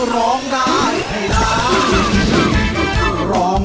ร้องได้ให้ร้าน